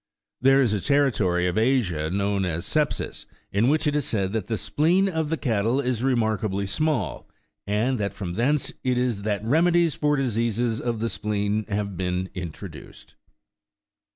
There is a territory of Asia, known as Scepsis," in which it is said that the spleen of the cattle is remarkably small, and that from thence it is that remedies for diseases of the spleen have been introduced.